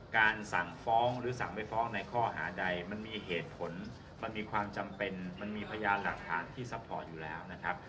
การสั่งฟ้องหรือสั่งไปฟ้องในข้อหาใดมันมีเหตุผลมันมีความจำเป็นมันมีพยานหลักฐานที่ซัพพอร์ตอยู่แล้วนะครับ